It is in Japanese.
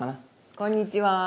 こんにちは。